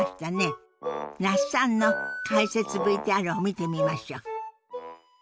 那須さんの解説ＶＴＲを見てみましょう。